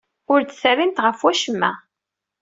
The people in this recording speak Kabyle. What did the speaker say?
Ur d-terrimt ɣef wacemma.